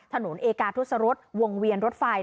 ถนนเอกาทุศรสวงเวียนรถไฟ